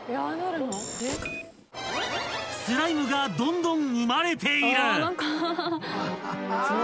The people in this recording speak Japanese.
［スライムがどんどん生まれている］